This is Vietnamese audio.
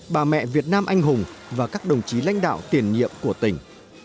bà mẹ việt nam anh hùng và các đồng chí lãnh đạo tiền nhiệm của tỉnh